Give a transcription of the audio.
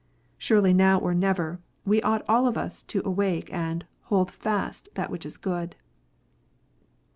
Surely now or never, we ought all of us to awake, and " Hold fast that which is good."